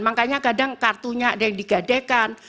makanya kadang kartunya ada yang digadekan